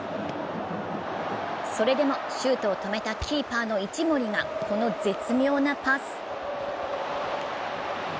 それでもシュートを止めたキーパーの一森がこの絶妙なパス。